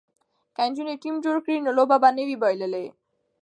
که نجونې ټیم جوړ کړي نو لوبه به نه وي بایللې.